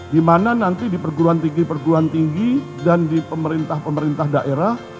di mana nanti di perguruan tinggi perguruan tinggi dan di pemerintah pemerintah daerah